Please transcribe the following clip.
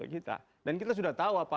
kita dan kita sudah tahu apa